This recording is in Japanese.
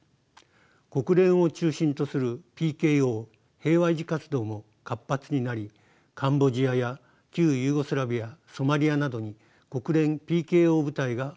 国連を中心とするＰＫＯ平和維持活動も活発になりカンボジアや旧ユーゴスラビアソマリアなどに国連ＰＫＯ部隊が送られました。